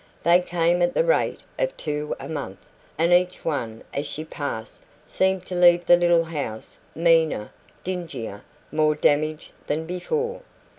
They came at the rate of two a month, and each one as she passed seemed to leave the little house meaner, dingier, more damaged than before.